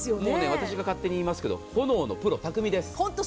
私が勝手に言いますけど炎のプロです。